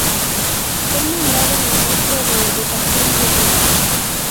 Fue nombrado Ministro de Educación Pública.